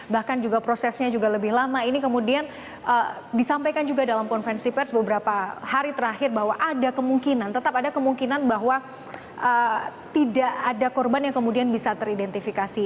bahkan juga prosesnya juga lebih lama ini kemudian disampaikan juga dalam konferensi pers beberapa hari terakhir bahwa ada kemungkinan tetap ada kemungkinan bahwa tidak ada korban yang kemudian bisa teridentifikasi